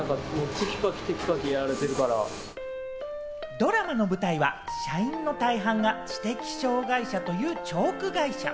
ドラマの舞台は社員の大半が知的障がい者というチョーク会社。